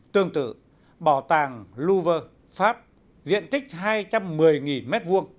tương tự bảo tàng louver pháp diện tích hai trăm một mươi m hai